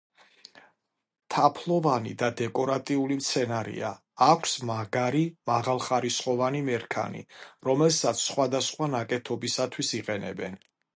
თაფლოვანი და დეკორატიული მცენარეა, აქვს მაგარი მაღალხარისხოვანი მერქანი, რომელსაც სხვადასხვა ნაკეთობისათვის იყენებენ.